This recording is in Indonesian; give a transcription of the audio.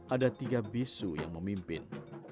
ada tiga bisu yang memimpin